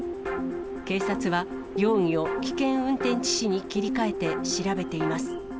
警察は、容疑を危険運転致死に切り替えて調べています。